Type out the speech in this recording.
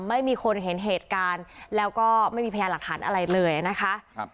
ไม่มีคนเห็นเหตุการณ์แล้วก็ไม่มีพยานหลักฐานอะไรเลยนะคะ